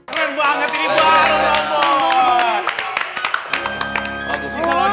keren banget ini baru robot